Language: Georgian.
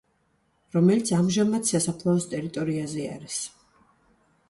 რომელიც ამჟამად სასაფლაოს ტერიტორიაზე არის.